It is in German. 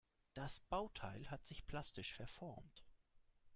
Das Bauteil hat sich plastisch verformt.